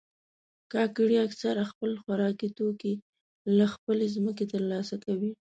کاکړي اکثره خپل خوراکي توکي له خپلې ځمکې ترلاسه کوي.